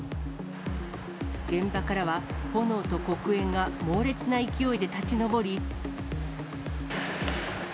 現場からは炎と黒煙が猛烈な勢いで立ち上り。